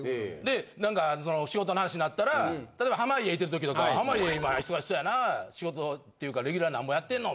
何かその仕事の話になったら例えば濱家いてる時とかは「濱家今忙しそうやなぁ仕事っていうかレギュラー何本やっんの？」